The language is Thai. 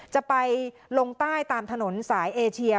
จะไปลงใต้ตามถนนสายเอเชีย